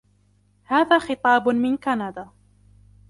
هذا خطاب من كندا.